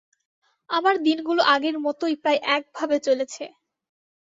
আমার দিনগুলো আগের মতই প্রায় একভাবে চলেছে।